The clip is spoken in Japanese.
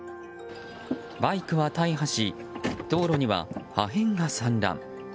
バイクは大破し道路には破片が散乱。